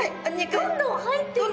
どんどん入っていく口の中に。